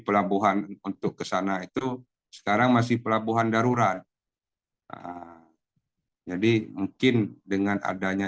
pelabuhan untuk kesana itu sekarang masih pelabuhan darurat jadi mungkin dengan adanya